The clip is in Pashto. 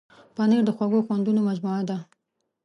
پنېر د خوږو خوندونو مجموعه ده.